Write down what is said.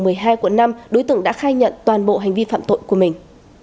phường một mươi hai quận năm đối tượng đã khai nhận toàn bộ hành vi phạm tội của mình